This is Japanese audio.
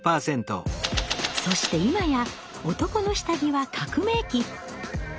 そして今や男の下着は革命期。